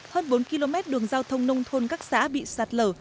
hơn bốn km đường giao thông nông thôn các xã bị sạt lở